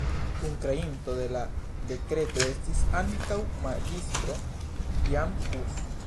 Kunkreinto de la dekreto estis ankaŭ Magistro Jan Hus.